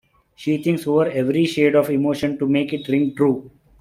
She thinks over every shade of emotion to make it ring true.